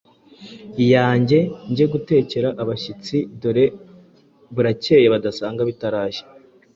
yange nge gutekera abashyitsi, dore burakeye badasanga bitarashya.”